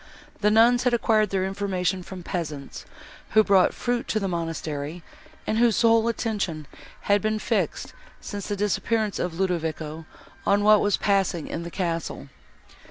The nuns had acquired their information from peasants, who brought fruit to the monastery, and whose whole attention had been fixed, since the disappearance of Ludovico, on what was passing in the castle.